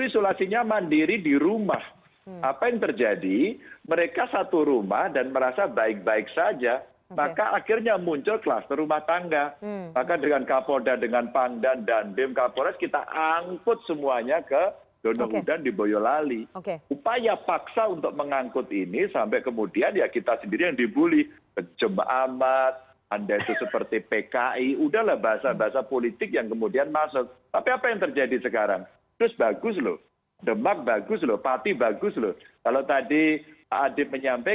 selamat sore mbak rifana